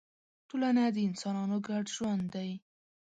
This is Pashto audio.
ټولنه د انسانانو ګډ ژوند دی.